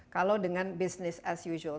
kalau dengan business as usual